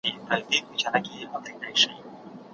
خدای غلیم دی زما پر عقل خندولی